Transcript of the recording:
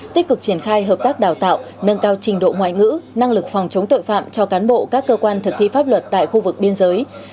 tích cực triển khai hợp tác đào tạo nâng cao trình độ ngoại ngữ năng lực phòng chống tội phạm cho cán bộ các cơ quan thực thi pháp luật tại khu vực biên giới